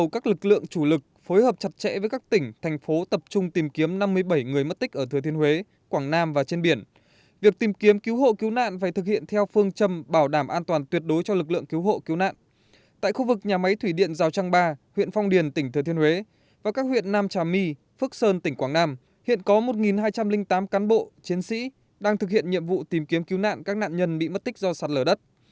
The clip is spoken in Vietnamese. các bộ chiến sĩ đang thực hiện nhiệm vụ tìm kiếm cứu nạn các nạn nhân bị mất tích do sạt lở đất